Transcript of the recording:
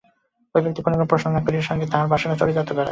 ঐ ব্যক্তি কোনরূপ প্রশ্ন না করিয়া সঙ্গে সঙ্গে তাহার বাসনা চরিতার্থ করে।